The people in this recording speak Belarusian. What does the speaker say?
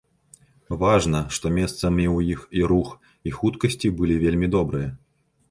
Важна, што месцамі ў іх і рух, і хуткасці былі вельмі добрыя.